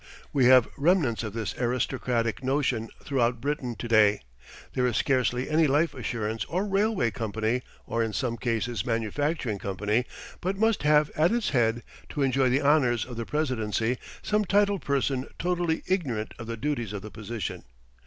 We have remnants of this aristocratic notion throughout Britain to day. There is scarcely any life assurance or railway company, or in some cases manufacturing company but must have at its head, to enjoy the honors of the presidency, some titled person totally ignorant of the duties of the position.